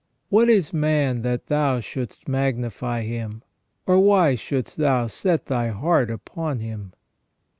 "What is man that thou shouldst magnify him ? or why shouldst thou set thy heart upon him